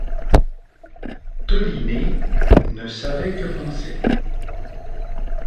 Toliné ne savait que penser.